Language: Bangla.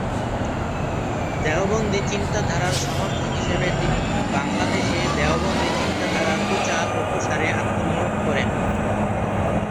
দেওবন্দি চিন্তাধারার সমর্থক হিসেবে তিনি বাংলাদেশে দেওবন্দি চিন্তাধারার প্রচার ও প্রসারে আত্মনিয়োগ করেন।